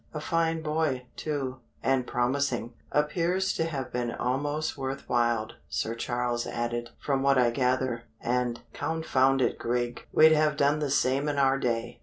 "A fine boy, too, and promising " "Appears to have been almost worth while," Sir Charles added, "from what I gather and, confound it, Grig, we'd have done the same in our day."